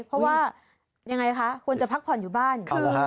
เพราะว่ายังไงคะควรจะพักผ่อนอยู่บ้าน